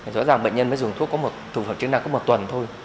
rõ ràng bệnh nhân mới dùng thuốc có một tuần thôi